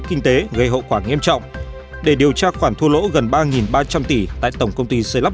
kinh tế gây hậu quả nghiêm trọng để điều tra khoản thu lỗ gần ba ba trăm linh tỷ tại tổng công ty xây lắp